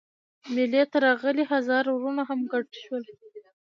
مېلې ته راغلي هزاره وروڼه هم ګډ شول.